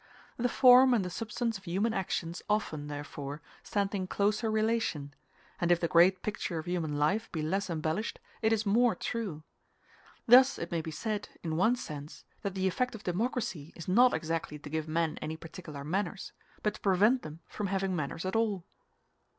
The form and the substance of human actions often, therefore, stand in closer relation; and if the great picture of human life be less embellished, it is more true. Thus it may be said, in one sense, that the effect of democracy is not exactly to give men any particular manners, but to prevent them from having manners at all.